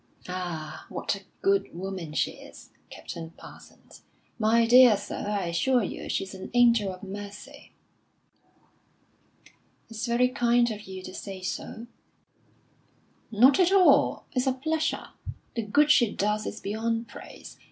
"Ah, what a good woman she is, Captain Parsons. My dear sir, I assure you she's an angel of mercy." "It's very kind of you to say so." "Not at all! It's a pleasure. The good she does is beyond praise.